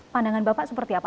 pandangan bapak seperti apa